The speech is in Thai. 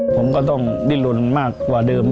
ผมก็ต้องดิ้นลนมากกว่าเดิม